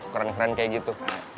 keren keren kayak gitu